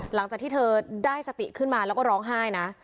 หลังจากที่เธอได้สติขึ้นมาแล้วก็ร้องไห้นะ